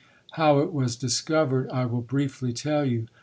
How it was discovered, I will briefly tell you.